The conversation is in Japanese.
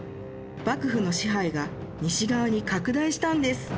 幕府の支配が西側に拡大したんです。